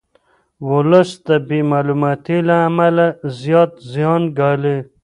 ولس د بې معلوماتۍ له امله زیات زیان ګالي.